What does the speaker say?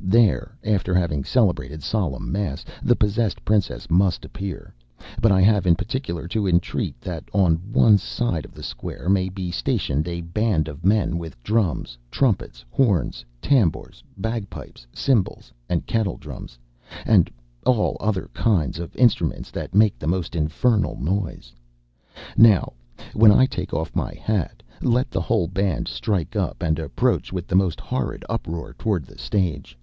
There, after having celebrated solemn mass, the possessed princess must appear; but I have in particular to entreat that on one side of the square may be stationed a band of men with drums, trumpets, horns, tambours, bagpipes, cymbals, and kettle drums, and all other kinds of instruments that make the most infernal noise. Now, when I take my hat off, let the whole band strike up, and approach with the most horrid uproar towards the stage.